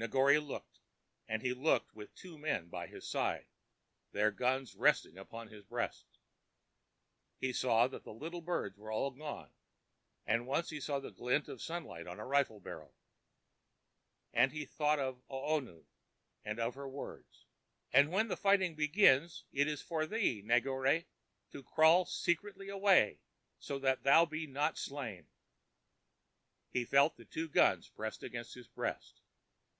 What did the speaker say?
Negore looked, and he looked with two men by his side, their guns resting against his breast. He saw that the little birds were all gone, and once he saw the glint of sunlight on a rifle barrel. And he thought of Oona, and of her words: "And when the fighting begins, it is for thee, Negore, to crawl secretly away so that thou be not slain." He felt the two guns pressing on his breast.